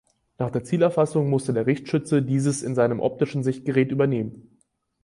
Nach der Zielerfassung musste der Richtschütze dieses in seinem optischen Sichtgerät übernehmen.